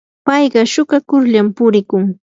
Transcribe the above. payqa shuukakullar purikun.